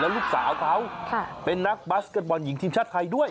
ลูกสาวเขาเป็นนักบาสเก็ตบอลหญิงทีมชาติไทยด้วย